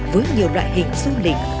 với nhiều loại hình du lịch